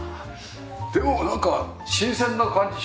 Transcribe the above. でもなんか新鮮な感じしますよね。